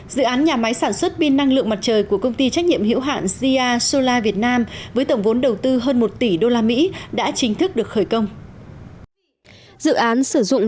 dự án nhà máy sản xuất pin năng lượng mặt trời của công ty trách nhiệm hiệu hạn zia solar việt nam với tổng vốn đầu tư hơn một tỷ đô la mỹ đã chính thức được khởi công